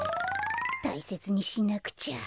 たいせつにしなくちゃ。